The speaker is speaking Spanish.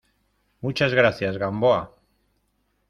muchas gracias, Gamboa.